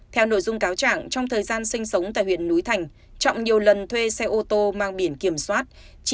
theo nội dung cáo trạng trong thời gian sinh sống tại huyện núi thành trọng nhiều lần thuê xe ô tô mang biển kiểm soát